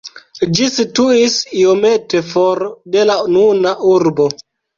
Ĝi situis iomete for de la nuna urbo.